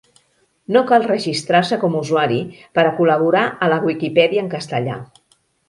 No cal registrar-se com usuari per a col·laborar a la Viquipèdia en castellà.